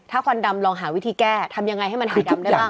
ถ้าควันดำลองหาวิธีแก้ทำยังไงให้มันหายดำได้บ้าง